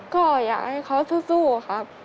ก็อยากให้เขาสู้อะคะ